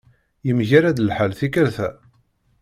Yemgarad lḥal tikelt-a?